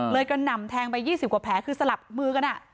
เลยก็นำแทงไปยี่สิบกว่าแผลคือสลับมือกัน